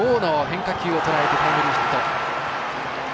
変化球をとらえてタイムリーヒット。